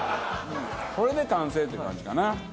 これで完成っていう感じかな。